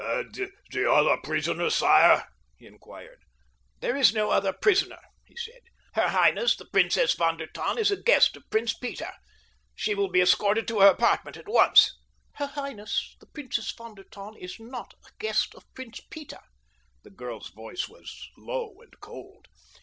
"And the other prisoner, sire?" he inquired. "There is no other prisoner," he said. "Her highness, the Princess von der Tann, is a guest of Prince Peter. She will be escorted to her apartment at once." "Her highness, the Princess von der Tann, is not a guest of Prince Peter." The girl's voice was low and cold.